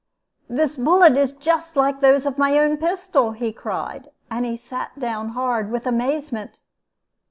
"'This bullet is just like those of my own pistol!' he cried, and he sat down hard with amazement.